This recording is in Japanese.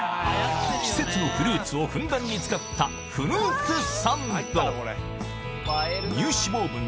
季節のフルーツをふんだんに使ったフルーツサンド